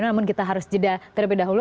namun kita harus jeda terlebih dahulu